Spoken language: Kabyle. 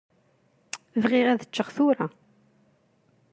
Bɣiɣ ad ččeɣ tura.